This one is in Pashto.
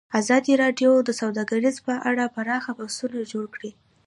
ازادي راډیو د سوداګري په اړه پراخ بحثونه جوړ کړي.